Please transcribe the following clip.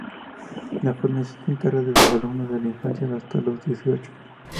La fundación se encarga de sus alumnos desde la infancia hasta los dieciocho.